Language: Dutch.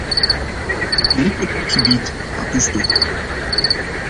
Het werk op dit gebied gaat dus door.